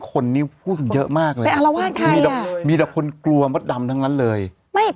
คนนี้พูดเยอะมากเลยไปอารวาสค่ะมีแต่มีแต่คนกลัวมดดำทั้งนั้นเลยไม่